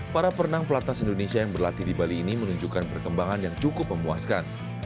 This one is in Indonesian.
para perenang pelatnas indonesia yang berlatih di bali ini menunjukkan perkembangan yang cukup memuaskan